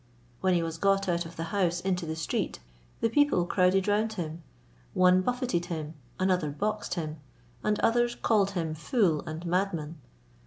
When he was got out of the house into the street, the people crowded round him, one buffeted him, another boxed him, and others called him fool and madman.